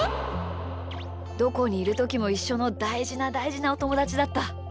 どこにいるときもいっしょのだいじなだいじなおともだちだった。